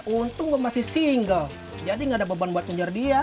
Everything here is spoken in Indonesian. untuk masih single jadi enggak ada beban buat menjar dia